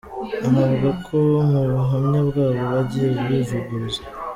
Anavuga ko mu buhamya bw’abo bagiye bivuguruza.